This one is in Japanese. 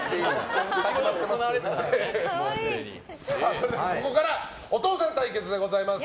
それでは、ここからお父さん対決です。